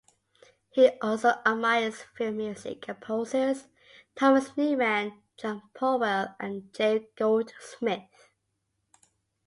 He also admires film-music composers Thomas Newman, John Powell and Jerry Goldsmith.